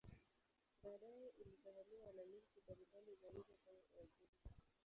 Baadaye ilitawaliwa na milki mbalimbali za nje kama Uajemi.